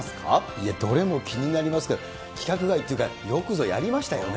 いやどれも気になりますけど、規格外っていうか、よくぞやりましたよね。